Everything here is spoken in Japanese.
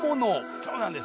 そうなんです。